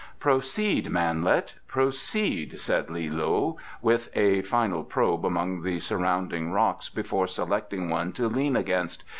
"Proceed, manlet, proceed," said Li loe, with a final probe among the surrounding rocks before selecting one to lean against.